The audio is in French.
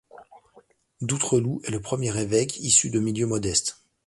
Doutreloux est le premier évêque issu de milieu modeste.